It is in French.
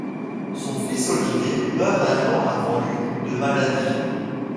Son fils Olivier meurt un an avant lui, de maladie.